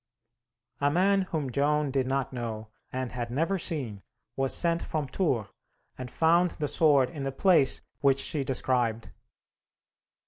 A man whom Joan did not know, and had never seen, was sent from Tours, and found the sword in the place which she described.